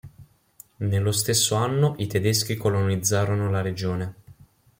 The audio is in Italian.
Nello stesso anno i tedeschi colonizzarono la regione.